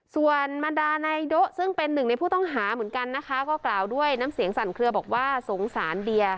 ส่วนบรรดานายโด๊ะซึ่งเป็นหนึ่งในผู้ต้องหาเหมือนกันนะคะก็กล่าวด้วยน้ำเสียงสั่นเคลือบอกว่าสงสารเดีย